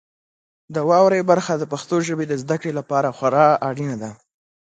د واورئ برخه د پښتو ژبې د زده کړې لپاره خورا اړینه ده.